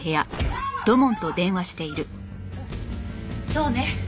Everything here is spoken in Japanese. そうね。